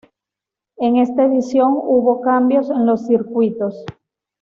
En esta edición hubo cambios en los circuitos.